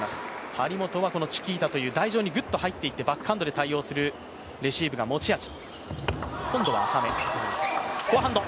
張本はチキータという、台上にグッと入っていってバックハンドで対応するレシーブが持ち味。